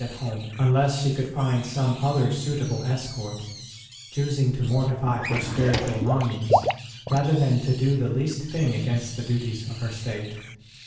ROSE OF LIMA at home, unless she could find some other suitable escort, choosing to mortify her spiritual longings rather than to do the least thing against the duties of her state.